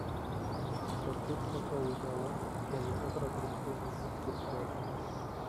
"Oto wszystko, co ujrzałem, zanim obraz rozpłynął się w zwierciadle."